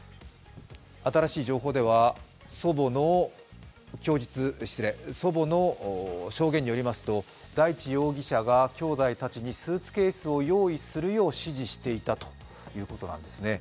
新しい情報では、祖母の証言によりますと、大地容疑者がきょうだいたちにスーツケースを用意するように指示していたということなんですね。